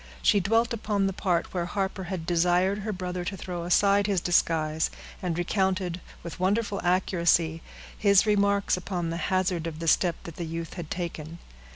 She dwelt upon the part where Harper had desired her brother to throw aside his disguise, and recounted, with wonderful accuracy, his remarks upon the hazard of the step that the youth had taken.